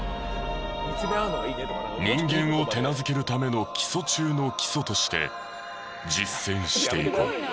人間を手なずけるための基礎中の基礎として実践していこう。